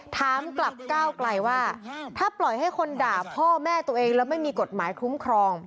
ถามกลับก้าวไกลว่าถ้าปล่อยให้คนด่าพ่อแม่ตัวเองแล้วไม่มีกฎหมายคุ้มครอง